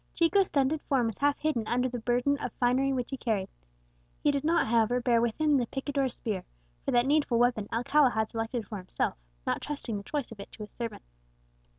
Chico's stunted form was half hidden under the burden of finery which he carried; he did not, however, bear with him the picador's spear, for that needful weapon Alcala had selected for himself, not trusting the choice of it to a servant.